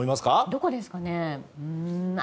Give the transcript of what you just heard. どこですかね。